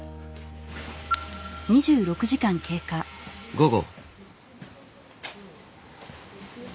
午後。